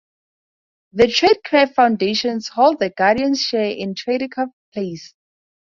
The Traidcraft Foundation holds the Guardian share in Traidcraft plc.